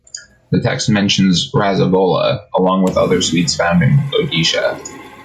The text mentions Rasagola, along with other sweets found in Odisha.